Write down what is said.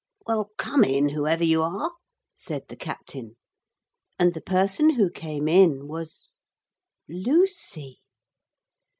'Well, come in, whoever you are,' said the captain. And the person who came in was Lucy.